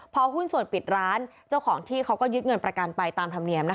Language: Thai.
พอหุ้นส่วนปิดร้านเจ้าของที่เขาก็ยึดเงินประกันไปตามธรรมเนียม